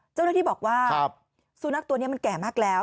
เจ้าหน้าที่บอกว่าสุนัขตัวนี้มันแก่มากแล้ว